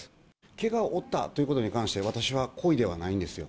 けがを負ったということに関して、私は故意ではないんですよ。